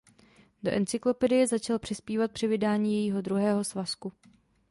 Do Encyklopedie začal přispívat při vydání jejího druhého svazku.